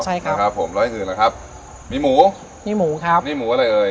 ใช่ค่ะนะครับผมแล้วอย่างอื่นนะครับมีหมูมีหมูครับมีหมูอะไรเอ่ย